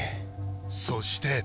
そして